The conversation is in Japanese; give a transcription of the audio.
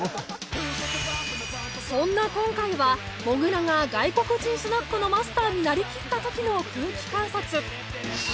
そんな今回はもぐらが外国人スナックのマスターになりきった時の空気観察